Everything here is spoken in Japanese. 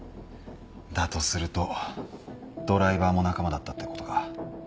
だとするとドライバーも仲間だったってことか。